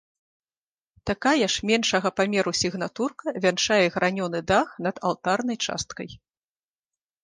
Такая ж меншага памеру сігнатурка вянчае гранёны дах над алтарнай часткай.